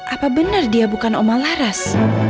apa benar dia bukan oma laras